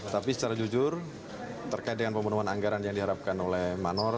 tapi secara jujur terkait dengan pemenuhan anggaran yang diharapkan oleh manor